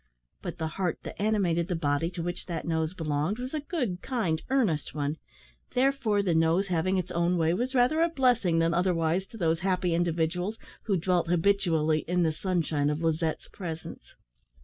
But the heart that animated the body to which that nose belonged, was a good, kind, earnest one; therefore, the nose having its own way was rather a blessing than otherwise to those happy individuals who dwelt habitually in the sunshine of Lizette's presence.